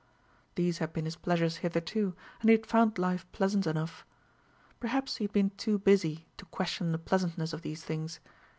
These had been his pleasures hitherto, and he had found life pleasant enough. Perhaps he had been too busy to question the pleasantness of these things.